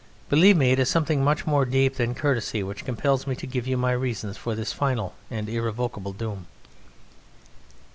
Believe me, it is something much more deep than courtesy which compels me to give you my reasons for this final and irrevocable doom.